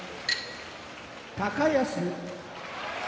高安